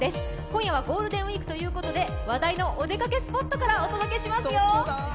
今夜はゴールデンウイークということで話題のお出かけスポットからお届けしますよ。